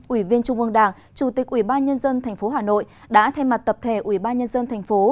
ủy viên trung ương đảng chủ tịch ubnd tp hà nội đã thay mặt tập thể ubnd tp